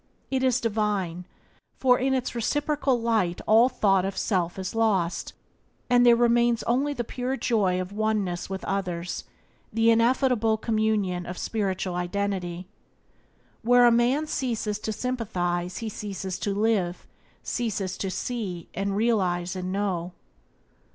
It is divine, for in its reciprocal light all thought of self is lost, and there remains only the pure joy of oneness with others, the ineffable communion of spiritual identity. Where a man ceases to sympathize he ceases to live, ceases to see and realize and know.